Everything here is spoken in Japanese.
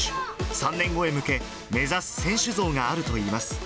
３年後へ向け、目指す選手像があるといいます。